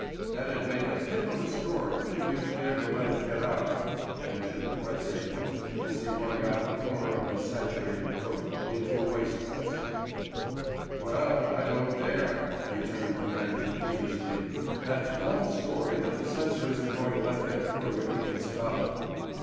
"That'd make a pippin' of a story if you'd dare to let it get out," ventured the press agent as he wrung out the corner of his saturated coat into a waste basket. "Well, I don't take the dare," returned the manager peevishly. "That's one story that the censor isn't going to let get through if he can stop it."